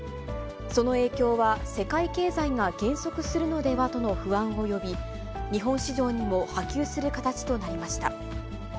その影響は、世界経済が減速するのではとの不安を呼び、日本市場にも波及する形となりました。